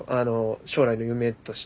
将来の夢として。